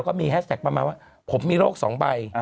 ก็มีแฮชแท็กประมาณว่าผมมีโรค๒ใบ